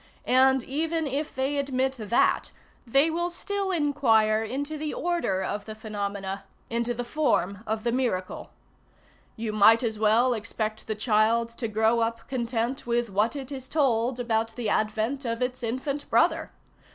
And even if they admit that, they will still inquire into the order of the phenomena, into the form of the miracle. You might as well expect the child to grow up content with what it is told about the advent of its infant brother.